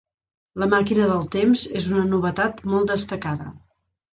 La màquina del temps és una novetat molt destacada.